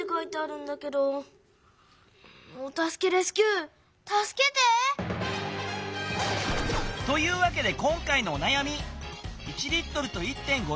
お助けレスキューたすけて！というわけで今回のおなやみ。